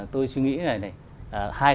tôi suy nghĩ